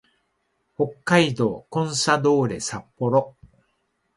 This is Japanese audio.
北海道コンサドーレ札幌